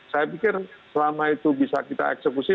saya pikir selama itu bisa kita eksekusi